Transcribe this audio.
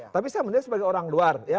tapi saya melihat sebagai orang luar